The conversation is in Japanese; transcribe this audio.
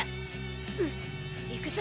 うん行くぞ。